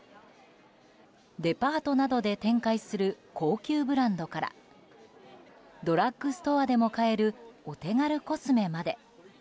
デパートなどで展開する高級ブランドからドラッグストアでも買えるお手軽コスメまで。